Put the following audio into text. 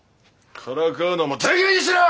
からかうのも大概にしろ！